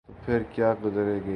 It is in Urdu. تو پھرکیا گزرے گی؟